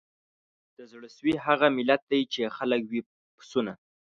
د زړه سوي هغه ملت دی چي یې خلک وي پسونه